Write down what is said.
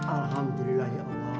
alhamdulillah ya allah